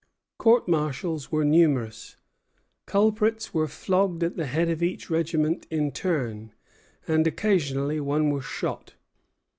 Courts martial were numerous; culprits were flogged at the head of each regiment in turn, and occasionally one was shot.